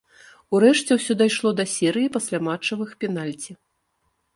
Урэшце ўсё дайшло да серыі пасляматчавых пенальці.